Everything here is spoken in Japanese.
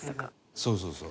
そうそうそう。